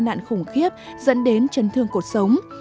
nạn khủng khiếp dẫn đến chân thương cuộc sống